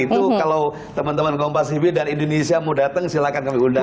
itu kalau teman teman kompas sibi dan indonesia mau datang silahkan kami undang